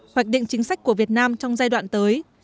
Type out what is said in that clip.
hoạch định chính sách của việt nam trong giai đoạn tới